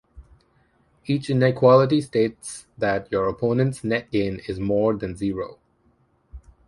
Each inequality states that your opponent's net gain is more than zero.